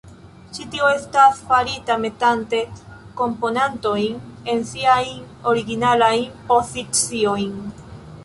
Ĉi tio estas farita metante komponantojn en siajn originalajn poziciojn.